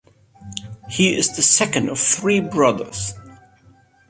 He is the second of three brothers.